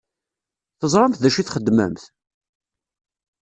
Teẓṛamt d acu i txeddmemt?